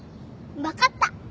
分かった。